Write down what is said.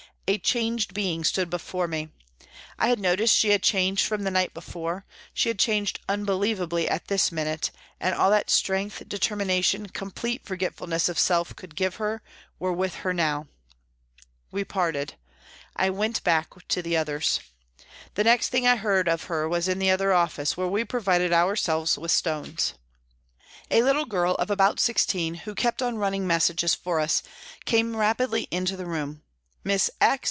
A changed being stood before me. I had noticed that she had changed from the night before, she had changed unbelievably at this minute, and all that strength, determination, complete forget fulness of self could give her, were with her now. We parted. I went back to the others. The next thing I heard of her was in the other office, where we provided ourselves with stones. A little girl of about sixteen, who kept on running messages for us, came rapidly into the room. " Miss X.